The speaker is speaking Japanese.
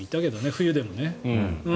冬でもね。